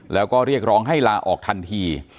แล้วก็เรียกร้องให้ลาออกทันที